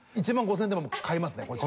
１万５０００円でも買いますね。